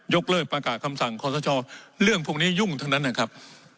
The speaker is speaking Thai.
เลิกประกาศคำสั่งขอสชเรื่องพวกนี้ยุ่งทั้งนั้นนะครับ